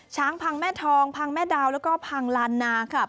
ช้างพังแม่ทองพังแม่ดาวแล้วก็พังลานนาค่ะ